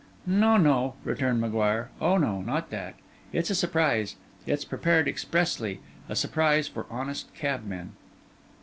'No, no,' returned M'Guire. 'Oh no, not that. It's a surprise; it's prepared expressly: a surprise for honest cabmen.